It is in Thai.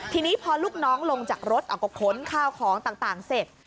ทีนี้พอลูกน้องลงจากรถเอาก็ขนข้าวของต่างเสร็จ